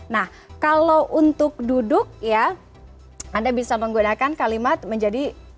nah kalau untuk duduk ya anda bisa menggunakan kalimat menjadi